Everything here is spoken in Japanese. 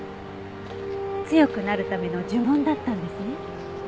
強くなるための呪文だったんですね。